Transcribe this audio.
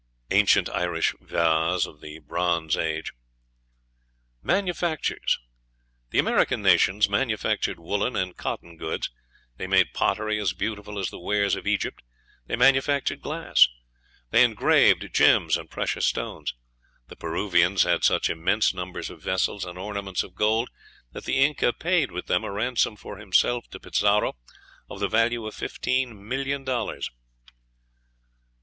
ANCIENT IRISH VASE OF THE BRONZE AGE Mannfactures. The American nations manufactured woollen and cotton goods; they made pottery as beautiful as the wares of Egypt; they manufactured glass; they engraved gems and precious stones. The Peruvians had such immense numbers of vessels and ornaments of gold that the Inca paid with them a ransom for himself to Pizarro of the value of fifteen million dollars.